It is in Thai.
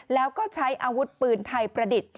แล้วก็ใช้อาวุธปืนไทยประดิษฐ์